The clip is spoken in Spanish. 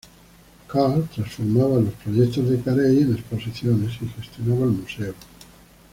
Carr transformaba los proyectos de Carey en exposiciones y gestionaba el museo.